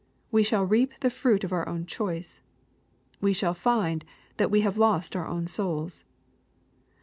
We shall reap the fruit of our own choice. We shall find that we have lost our own souls.